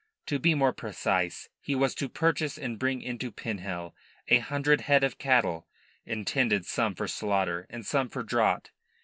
To be more precise, he was to purchase and bring into Pinhel a hundred head of cattle, intended some for slaughter and some for draught.